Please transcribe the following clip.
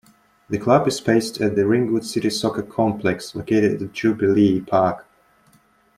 The club is based at the Ringwood City Soccer Complex located at Jubilee Park.